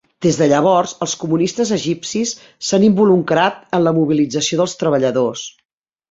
Des de llavors, els comunistes egipcis s'han involucrat en la mobilització dels treballadors.